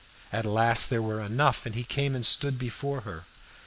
At last there were enough, and he came and stood before her.